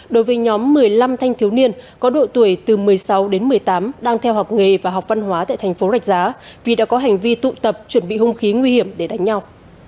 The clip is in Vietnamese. đối với nhóm một mươi năm thanh thiếu niên có độ tuổi từ một mươi sáu đến một mươi tám đang theo học nghề và học văn hóa tại thành phố rạch giá vì đã có hành vi tụ tập chuẩn bị hung khí nguy hiểm để đánh nhau